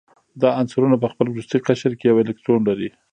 دا عنصرونه په خپل وروستي قشر کې یو الکترون لري.